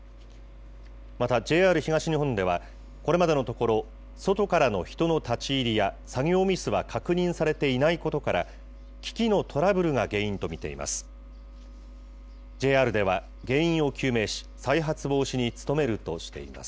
またＪＲ東日本では、これまでのところ、外からの人の立ち入りや、作業ミスは確認されていないことから、機器のトラブルが原因と見ています。